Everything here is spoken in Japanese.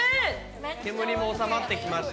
煙も収まってきまして。